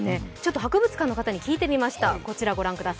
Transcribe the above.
博物館の方に聞いてみました。